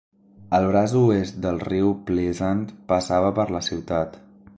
El braç oest del riu Pleasant passava per la ciutat.